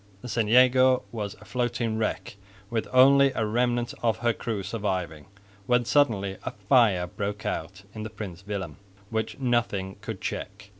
the St Jago was a floating wreck with only a remnant of her crew surviving, when suddenly a fire broke out in the Prins Willem, which nothing could check.